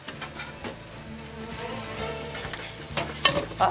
あっ。